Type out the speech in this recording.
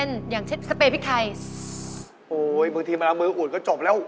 โอ๊ยบางทีเมื่อมืออุ่นก็จบแล้ว